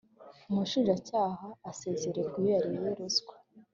umushinjacyaha asezererwa iyoyariye ruswa.